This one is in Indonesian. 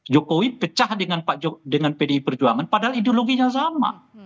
jokowi pecah dengan pdi perjuangan padahal ideologinya sama